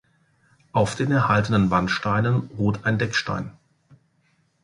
Auf den erhaltenen Wandsteinen ruht ein Deckstein.